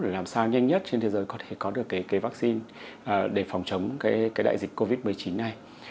làm sao nhanh nhất trên thế giới có thể có được cái vaccine để phòng chống cái đại dịch covid một mươi chín này